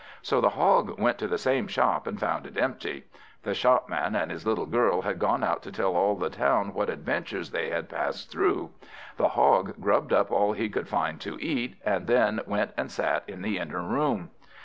So the Hog went to the same shop, and found it empty. The Shopman and his little girl had gone out to tell all the town what adventures they had passed through. The Hog grubbed up all he could find to eat, and then went and sat in the inner room.